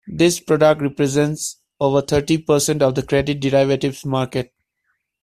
This product represents over thirty percent of the credit derivatives market.